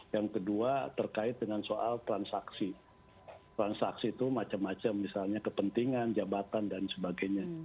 yang kedua terkait dengan soal transaksi transaksi itu macam macam misalnya kepentingan jabatan dan sebagainya